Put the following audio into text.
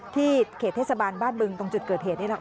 เขตเทศบาลบ้านบึงตรงจุดเกิดเหตุนี่แหละ